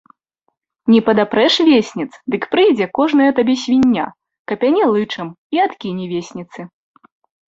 Не падапрэш весніц, дык прыйдзе кожная табе свіння, капяне лычам і адкіне весніцы.